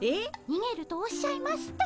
にげるとおっしゃいますと？